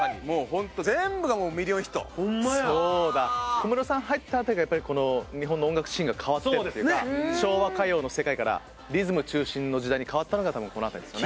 小室さん入った辺りからやっぱりこの日本の音楽シーンが変わっていったというか昭和歌謡の世界からリズム中心の時代に変わったのが多分この辺りですよね。